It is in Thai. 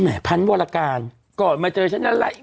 ไหนพันวาลาการก่อนมาเจอฉันจะไหล